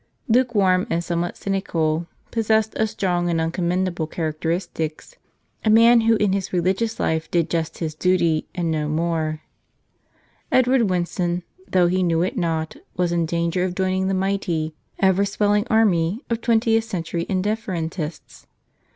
Lukewarm and somewhat cynical, possessed of strong and uncommendable characteristics, a man who in his religious life did just his duty and no more, Edward Winson, though he knew it not, was in danger of joining the mighty, ever swelling army of twentieth century indifferentists.